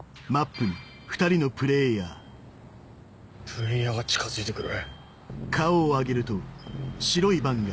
プレイヤーが近づいてくる。